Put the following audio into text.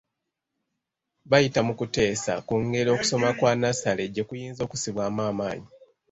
Bayita mu kuteesa ku ngeri okusoma kwa nnassale gye kuyinza okussibwamu amaanyi.